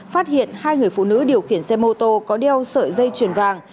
phát hiện hai người phụ nữ điều khiển xe mô tô có đeo sợi dây chuyền vàng